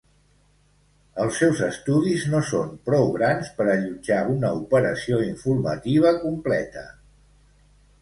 Els seus estudis no són prou grans per allotjar una operació informativa completa.